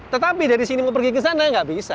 tetapi dari sini mau pergi ke sana nggak bisa